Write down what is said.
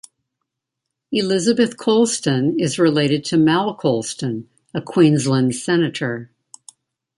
Elizabeth Colston is related to Mal Colston, a Queensland Senator.